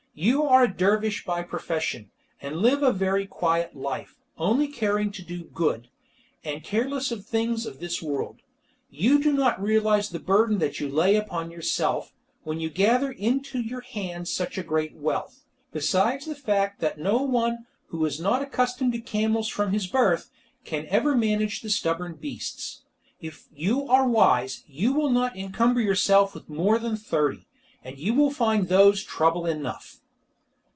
You are a dervish by profession, and live a very quiet life, only caring to do good, and careless of the things of this world. You do not realise the burden that you lay upon yourself, when you gather into your hands such great wealth, besides the fact that no one, who is not accustomed to camels from his birth, can ever manage the stubborn beasts. If you are wise, you will not encumber yourself with more than thirty, and you will find those trouble enough."